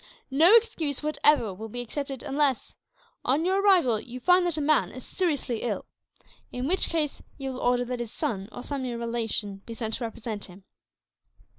No excuse, whatever, will be accepted unless, on your arrival, you find that a man is seriously ill; in which case you will order that his son, or some near relation, be sent to represent him."